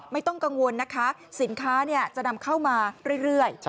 ไม่ต้องกังวลนะคะสินค้าจะนำเข้ามาเรื่อย